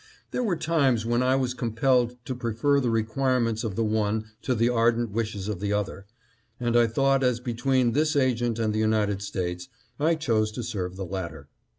There were times when I was compelled to prefer the requirements of the one to the ardent wishes of the other, and I thought as between this agent and the United States, I chose to serve the latter.